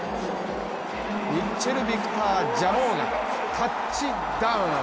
ミッチェル・ビクター・ジャモーがタッチダウン。